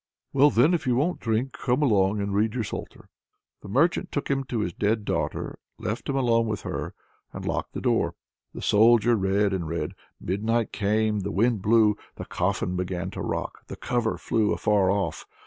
"Well, then, if you won't drink, come along and read your psalter." The merchant took him to his dead daughter, left him alone with her, and locked the door. The Soldier read and read. Midnight came, the wind blew, the coffin began to rock, the cover flew afar off.